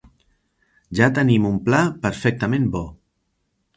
Ja tenim un pla perfectament bo.